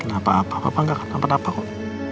kenapa apa apa apa gak kenapa apa kok